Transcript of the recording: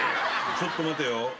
ちょっと待てよ。